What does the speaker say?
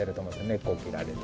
根っこを切られて。